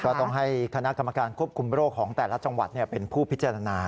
ก็ต้องให้คณะกรรมการควบคุมโรคของแต่ละจังหวัดเป็นผู้พิจารณา